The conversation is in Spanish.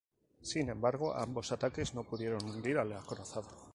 Sin embargo, ambos ataques no pudieron hundir al acorazado.